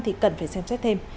thì cần phải xem xét thêm